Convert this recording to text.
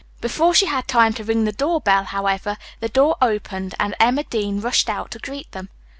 Before she had time to ring the door bell, however, the door opened and Emma Dean rushed out to greet them.